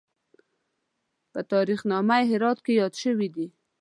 په تاریخ نامه هرات کې یاد شوی دی.